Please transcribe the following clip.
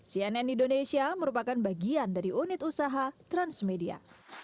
cnn indonesia merupakan bagian dari unit usaha transmedia